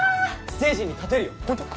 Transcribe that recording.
ステージに立てるよホント？